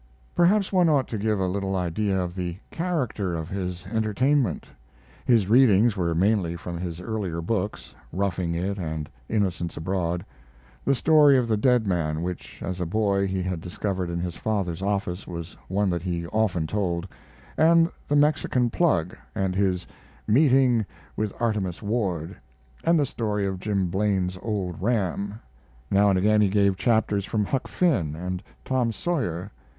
Perhaps one ought to give a little idea of the character of his entertainment. His readings were mainly from his earlier books, 'Roughing It' and 'Innocents Abroad'. The story of the dead man which, as a boy, he had discovered in his father's office was one that he often told, and the "Mexican Plug" and his "Meeting with Artemus Ward" and the story of Jim Blaine's old ram; now and again he gave chapters from 'Huck Finn' and 'Tom Sawyer'.